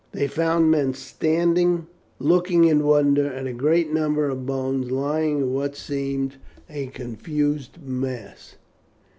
They found men standing looking in wonder at a great number of bones lying in what seemed a confused mass.